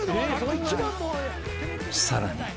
［さらに］